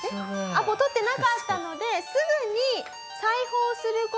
アポ取ってなかったのですぐに再訪する事を誓って